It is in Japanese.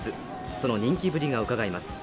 その人気ぶりがうかがえます。